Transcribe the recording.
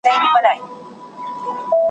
دا ویده اولس به ویښ سي د ازل بلا وهلی !.